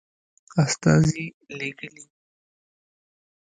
استازي لېږلي.